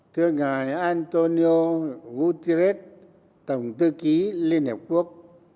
thưa ngài antonio guterres tổng tư ký liên hợp quốc